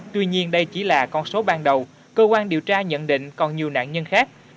tuy nhiên đây chỉ là con số ban đầu cơ quan điều tra nhận định còn nhiều nạn nhân khác